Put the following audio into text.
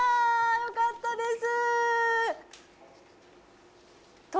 よかったです！